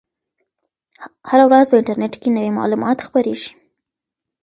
هره ورځ په انټرنیټ کې نوي معلومات خپریږي.